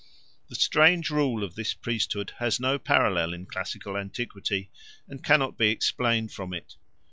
The strange rule of this priesthood has no parallel in classical antiquity, and cannot be explained from it.